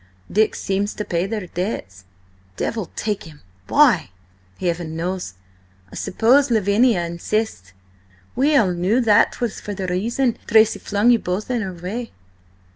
Dick seems to pay their debts." "Devil take him! Why?" "Heaven knows! I suppose Lavinia insists. We all knew that 'twas for that reason Tracy flung you both in her way."